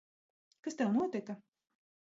Kas tev notika?